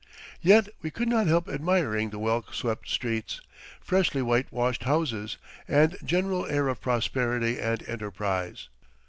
Yet we could not help admiring the well swept streets, freshly whitewashed houses, and general air of prosperity and enterprise.